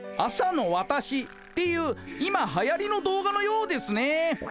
「朝のわたし」っていう今はやりの動画のようですね。